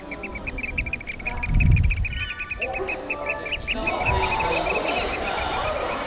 いかも正解５位でした５位？